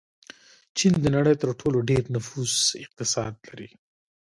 چین د نړۍ تر ټولو ډېر نفوس اقتصاد لري.